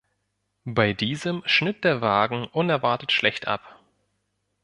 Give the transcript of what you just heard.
Bei diesem schnitt der Wagen unerwartet schlecht ab.